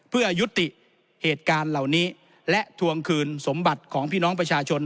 เพื่อยุติเหตุการณ์เหล่านี้และทวงคืนสมบัติของพี่น้องประชาชน